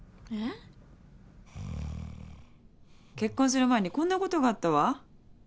えっ？結婚する前にこんなことがあったわ。